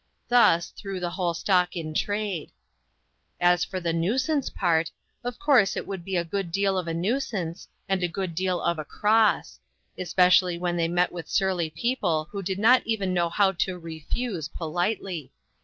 Thus, through the whole stock in trade. As for the "nuisance" part, of course it would be a good deal of a nuisance, and a good deal of a cross; especially when they met with surly people who did not even know how to refuse politely.